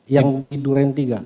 yang hindur yang tiga